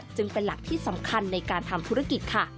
จึงเป็นหลักที่สำคัญในการทำธุรกิจค่ะ